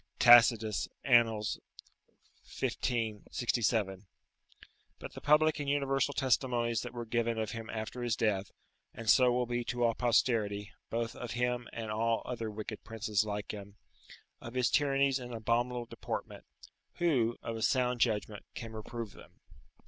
[Tacitus, Annal., xv. 67.] But the public and universal testimonies that were given of him after his death (and so will be to all posterity, both of him and all other wicked princes like him), of his tyrannies and abominable deportment, who, of a sound judgment, can reprove them?